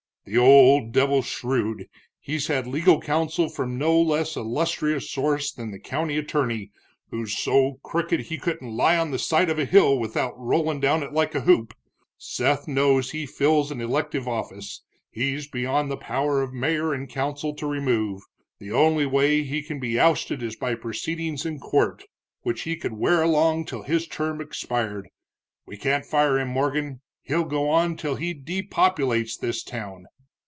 "The old devil's shrewd, he's had legal counsel from no less illustrious source than the county attorney, who's so crooked he couldn't lie on the side of a hill without rollin' down it like a hoop. Seth knows he fills an elective office, he's beyond the power of mayor and council to remove. The only way he can be ousted is by proceedings in court, which he could wear along till his term expired. We can't fire him, Morgan. He'll go on till he depopulates this town!"